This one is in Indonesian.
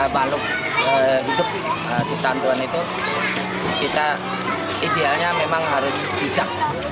makhluk hidup jutaan tuan itu kita idealnya memang harus bijak